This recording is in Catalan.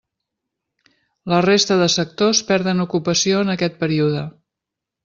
La resta de sectors perden ocupació en aquest període.